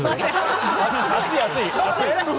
熱い、熱い！